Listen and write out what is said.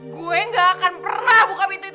gue gak akan pernah buka pintu itu